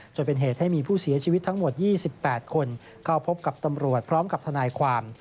จนเป็นเหตุให้มีผู้เสียชีวิตทั้งหมด๒๘คนเข้าพบกับตำรวจพร้อมกับทนายความ